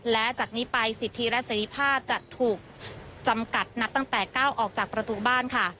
และจากนี้ไปสิทธิและเสร็จภาพจะถูกจำกัดนัดตั้งแต่ก้าวออกจากประตูบ้านค่ะ